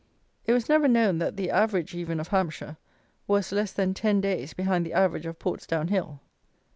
It was never known that the average even of Hampshire was less than ten days behind the average of Portsdown Hill.